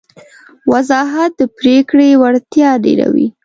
وضاحت د پرېکړې وړتیا ډېروي.